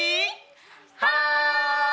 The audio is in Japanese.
はい！